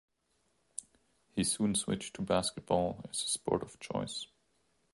He soon switched to basketball as his sport of choice.